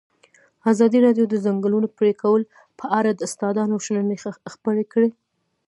ازادي راډیو د د ځنګلونو پرېکول په اړه د استادانو شننې خپرې کړي.